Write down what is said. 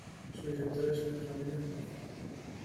Su director es Leo Ramírez Lazo.